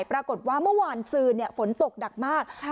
ปรากฏว่าเมื่อวานซื้อเนี่ยฝนตกดักมากค่ะ